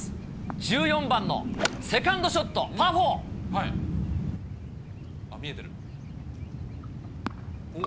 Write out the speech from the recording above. １４番のセカンドショット、見えてる。